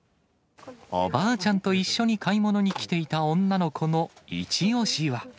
おばあちゃんと一緒に買い物に来ていた女の子の一押しは。